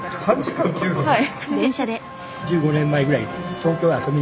はい。